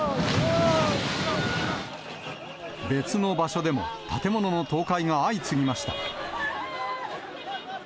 別の場所でも、建物の倒壊が相次ぎました。